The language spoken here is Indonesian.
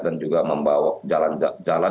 dan juga membawa jalan jalan